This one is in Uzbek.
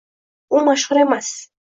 U mashhur emas.